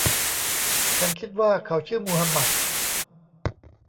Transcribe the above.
ฉันคิดว่าเขาชื่อมูฮัมหมัด